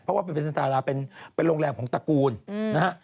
เพราะว่าเป็นตาราเป็นโรงแรมของตระกูลนะฮะ